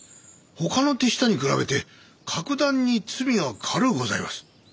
ほかの手下に比べて格段に罪が軽うございます。